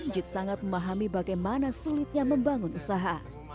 jit sangat memahami bagaimana sulitnya membangun usaha